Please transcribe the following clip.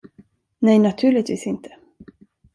Nej, naturligtvis inte.